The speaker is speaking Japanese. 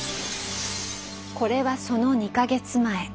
これはその２か月前。